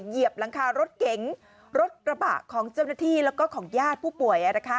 เหยียบหลังคารถเก๋งรถกระบะของเจ้าหน้าที่แล้วก็ของญาติผู้ป่วย